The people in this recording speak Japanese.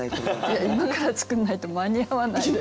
いや今から作んないと間に合わないです。